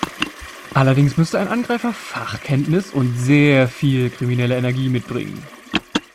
Allerdings müsste ein Angreifer Fachkenntnis und sehr viel kriminelle Energie mitbringen.